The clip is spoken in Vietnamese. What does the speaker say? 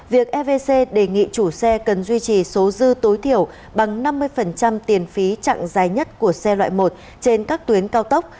việc evc đề nghị chủ xe cần duy trì số dư tối thiểu bằng năm mươi tiền phí chặn dài nhất của xe loại một trên các tuyến cao tốc